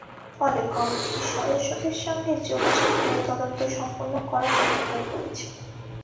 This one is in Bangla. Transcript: ফলে কমিটির সদস্যদের সঙ্গে যোগাযোগ করে তদন্ত সম্পন্ন করা কঠিন হয়ে পড়েছে।